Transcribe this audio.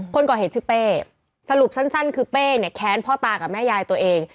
คนก่อเหตุชื่อเป้สรุปสั้นคือเป้เนี่ยแค้นพ่อตากับแม่ยายตัวเอง